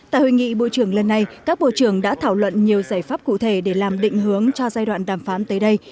tại hội nghị bộ trưởng lần này các bộ trưởng đã thảo luận nhiều giải pháp cụ thể để làm định hướng cho giai đoạn đàm phán tới đây